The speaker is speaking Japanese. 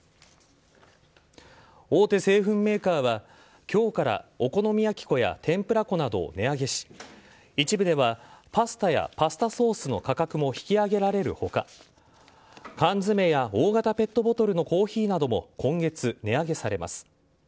大手製粉メーカーは今日からお好み焼き粉や天ぷら粉などを値上げし一部ではパスタやパスタソースの価格も引き上げられる他缶詰や大型ペットボトルのコーヒーなども今月、値上げされます。